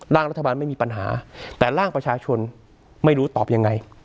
ร่างรัฐบาลไม่มีปัญหาแต่ร่างประชาชนไม่รู้ตอบยังไง